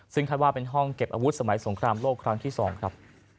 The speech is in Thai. ซึ่งคาดว่าเป็นห้องเก็บอาวุธสมัยสงครามโลกครั้งที่๒ครับ